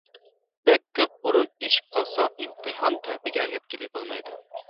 بەك كۆپ ئورۇن ئېشىپ قالسا ئىمتىھان تەلىپىگە يەتكىلى بولمايدۇ.